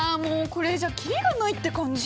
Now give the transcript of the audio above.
これじゃ切りがないって感じ！